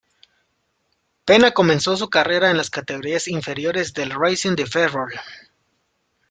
Pena comenzó su carrera en las categorías inferiores del Racing de Ferrol.